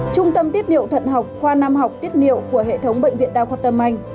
trung tâm tiết điệu thận học khoa nam học tiết niệu của hệ thống bệnh viện đa khoa tâm anh